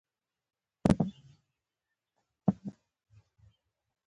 بل بیا د خیال پلو په پراخه نړۍ کې ستره محکمه رهبري کوي.